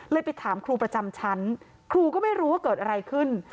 ไปถามครูประจำชั้นครูก็ไม่รู้ว่าเกิดอะไรขึ้น